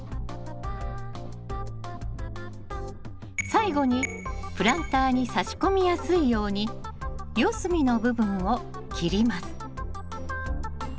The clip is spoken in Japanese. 最後にプランターに差し込みやすいように四隅の部分を切ります